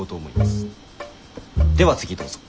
では次どうぞ。